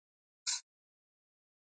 مچکه د مينې تومنه ده